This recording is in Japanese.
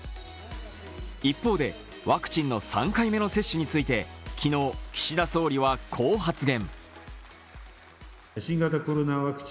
一方で、ワクチンの３回目の接種について昨日、岸田総理はこう発言。